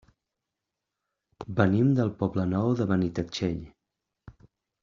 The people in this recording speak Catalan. Venim del Poble Nou de Benitatxell.